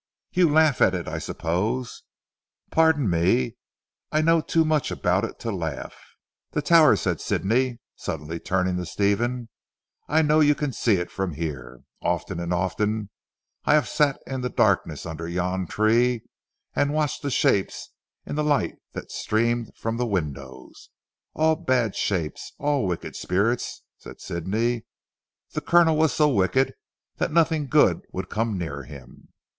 "You laugh at it I suppose?" "Pardon me, I know too much about it to laugh." "The tower," said Sidney suddenly turning to Stephen. "I know you can see it from here. Often and often I have sat in the darkness under yonder tree and watched the shapes in the light that streamed from the windows. All bad shapes all wicked spirits," said Sidney. "The Colonel was so wicked that nothing good would come near him."